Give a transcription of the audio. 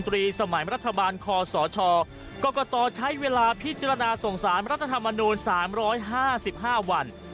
พิจารณาส่งสารรัฐธรรมนุนสามร้อยห้าสิบห้าวัน